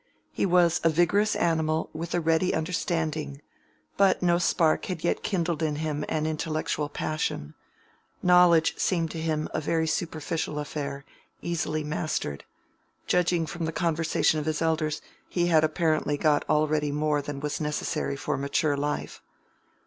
He was a vigorous animal with a ready understanding, but no spark had yet kindled in him an intellectual passion; knowledge seemed to him a very superficial affair, easily mastered: judging from the conversation of his elders, he had apparently got already more than was necessary for mature life.